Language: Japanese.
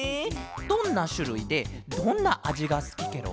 どんなしゅるいでどんなあじがすきケロ？